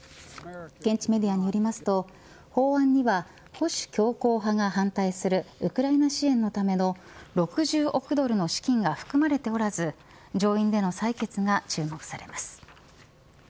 現地メディアによりますと法案には保守強硬派が反対するウクライナ支援のための６０億ドルの資金が含まれておらず上院での採決が注目されます。